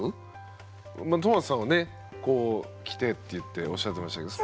トマトさんはねこう着てって言っておっしゃってましたけど。